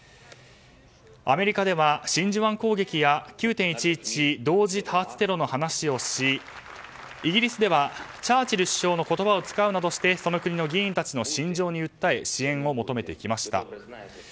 アメリカでは、真珠湾攻撃や９・１１同時多発テロの話をしイギリスではチャーチル首相の言葉を使うなどしてその国の議員たちの心情に訴え支援を求めてきました。